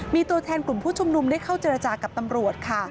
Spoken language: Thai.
มีตัวแทนกลุ่มผู้ชุมนุมได้เข้าเจรจากับตำรวจค่ะ